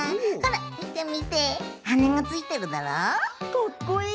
かっこいい！